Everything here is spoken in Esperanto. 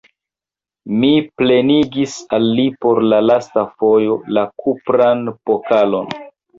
Mi plenigis al li por la lasta fojo la kupran pokalon.